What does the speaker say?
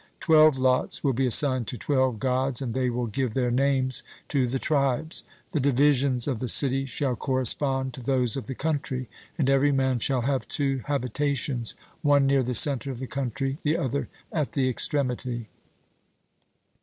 Twelve lots will be assigned to twelve Gods, and they will give their names to the tribes. The divisions of the city shall correspond to those of the country; and every man shall have two habitations, one near the centre of the country, the other at the extremity.